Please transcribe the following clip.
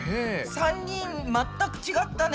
３人全くちがったね。